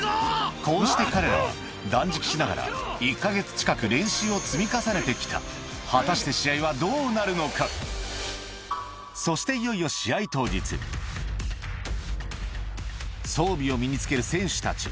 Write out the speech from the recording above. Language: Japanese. こうして彼らは断食しながら１か月近く練習を積み重ねてきた果たしてそして装備を身につける選手たち